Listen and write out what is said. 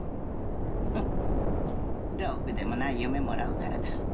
フッろくでもない嫁もらうからだ。